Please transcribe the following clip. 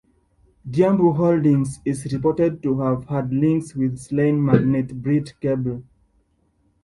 Dyambu Holdings is reported to have had links with slain magnate Brett Kebble.